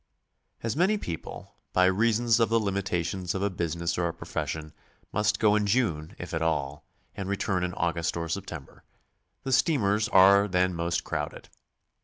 • As many people, by reasons of the limitations of a busi ness or profession, must go in June if at all, and return in August or September, the steamers are then most crowded.